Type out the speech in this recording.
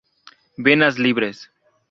Venas libres.